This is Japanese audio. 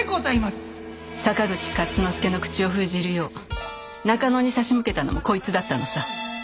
坂口勝之助の口を封じるよう中野に差し向けたのもこいつだったのさ